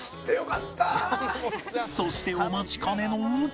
そしてお待ちかねの